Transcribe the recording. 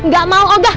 gak mau oga